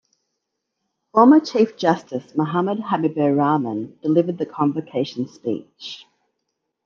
Former Chief Justice Muhammad Habibur Rahman delivered the convocation speech.